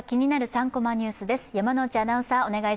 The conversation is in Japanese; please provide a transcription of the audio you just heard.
３コマニュース」です。